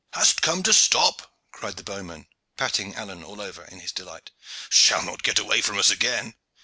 "Hast come to stop?" cried the bowman, patting Alleyne all over in his delight. "Shall not get away from us again!"